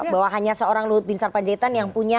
bahwa hanya seorang luhut bin sarpanjaitan yang punya